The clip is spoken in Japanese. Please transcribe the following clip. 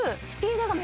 スタート。